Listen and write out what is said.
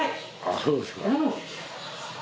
そうですか。